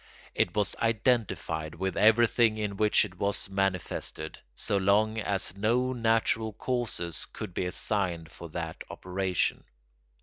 It was identified with everything in which it was manifested, so long as no natural causes could be assigned for that operation.